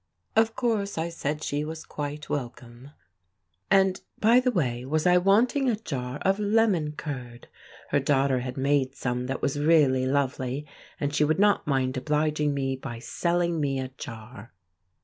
Of course I said she was quite welcome. And, by the way, was I wanting a jar of lemon curd? Her daughter had made some that was really lovely, and she would not mind obliging me by selling me a jar.